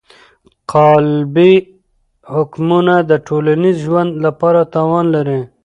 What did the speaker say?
قالبي حکمونه د ټولنیز ژوند لپاره تاوان لري.